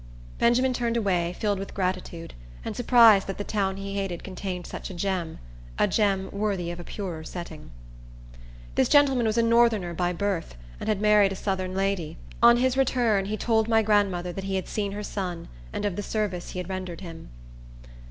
Benjamin turned away, filled with gratitude, and surprised that the town he hated contained such a gem—a gem worthy of a purer setting. This gentleman was a Northerner by birth, and had married a southern lady. On his return, he told my grandmother that he had seen her son, and of the service he had rendered him.